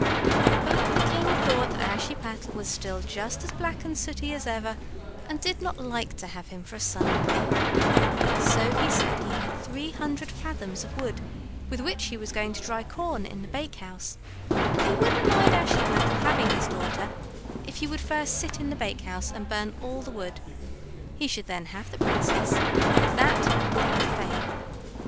But the king thought that Ashiepattle was just as black and sooty as ever, and did not like to have him for a son in law; so he said he had three hundred fathoms of wood with which he was going to dry corn in the bakehouse, and he wouldn't mind Ashiepattle having his daughter if he would first sit in the bakehouse and burn all the wood; he should then have the princess, and that without fail.